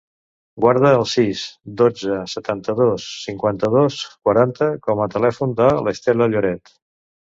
Guarda el sis, dotze, setanta-dos, cinquanta-dos, quaranta com a telèfon de l'Estela Lloret.